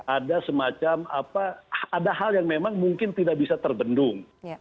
ada semacam apa ada hal yang memang mungkin tidak bisa terbendung